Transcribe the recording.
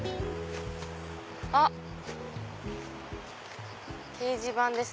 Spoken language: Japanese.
あっ掲示板です。